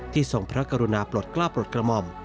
ทรงพระกรุณาปลดกล้าปลดกระหม่อม